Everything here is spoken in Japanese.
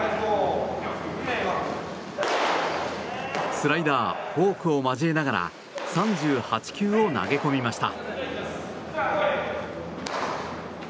スライダーフォークを交えながら３８球を投げ込みました。